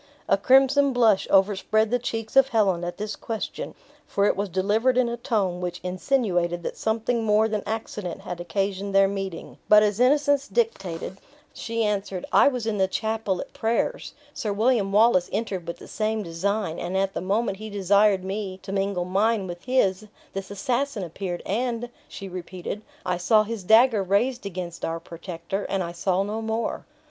A crimson blush overspread the cheeks of Helen at this question, for it was delivered in a tone which insinuated that something more than accident had occasioned their meeting, but as innocence dictated, she answered, "I was in the chapel at prayers; Sir William Wallace entered with the same design; and at the moment he desired me to mingle mine with his, this assassin appeared and (she repeated) I saw his dagger raised against our protector, and I saw no more."